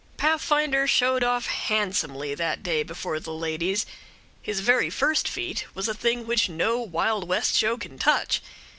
Pathfinder showed off handsomely that day before the ladies. His very first feat was a thing which no Wild West show can touch.